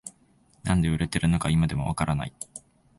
なんで売れてるのか今でもわからない